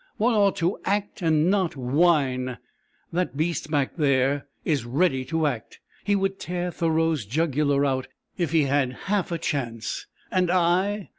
"One ought to act and not whine. That beast back there is ready to act. He would tear Thoreau's jugular out if he had half a chance. And I